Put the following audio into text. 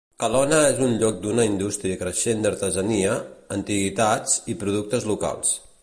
Kalona és lloc d'una indústria creixent d'artesania, antiguitats i productes locals.